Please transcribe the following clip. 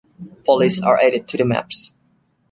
Police are added to the maps.